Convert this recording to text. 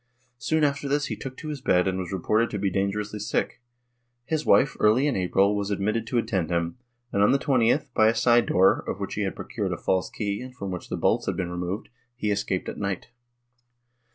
Soon after this he took to his bed and was reported to be dangerously sick; his wife, early in April, was admitted to attend him and, on the 20th, by a side door, of which he had procured a false key and from which the bolts had been removed, he escaped at night.